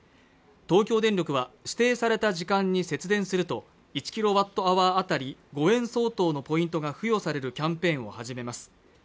東京電力は指定された時間に節電すると１キロワットアワー当たり５円相当のポイントが付与されるキャンペーンを始めます